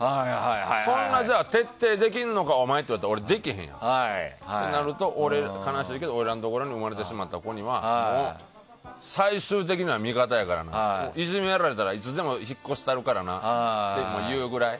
そんな、徹底できるのかお前って言われたら俺、できへんってなると悲しいけれど俺らのところに生まれてしまった子には最終的には味方やからいじめられたらいつでも引っ越したるからなって言うぐらい。